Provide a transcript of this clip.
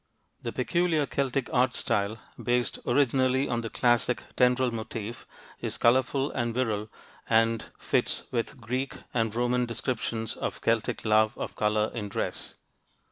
The peculiar Celtic art style, based originally on the classic tendril motif, is colorful and virile, and fits with Greek and Roman descriptions of Celtic love of color in dress.